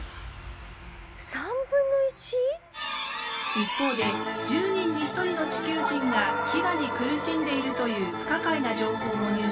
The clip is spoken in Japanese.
一方で１０人に１人の地球人が飢餓に苦しんでいるという不可解な情報も入手した。